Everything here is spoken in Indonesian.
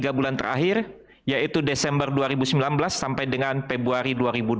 tiga bulan terakhir yaitu desember dua ribu sembilan belas sampai dengan februari dua ribu dua puluh